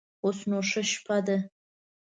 اوس نو شپه ده.